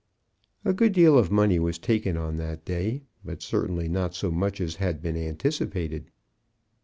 A good deal of money was taken on that day; but certainly not so much as had been anticipated.